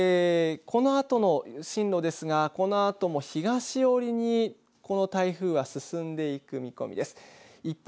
このあとの進路ですがこの後も東寄りにこの台風が進んでいく見込みです。